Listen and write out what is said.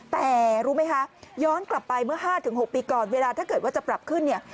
แต่รู้ไหมคะย้อนกลับไปเมื่อ๕๖ปีก่อนเวลาถ้าเกิดว่าจะปรับขึ้นเนี่ย